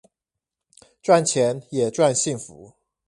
賺錢也賺幸福